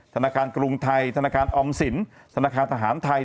ธนาคารกรุงไทยธนาคารออมสินธนาคารทหารไทย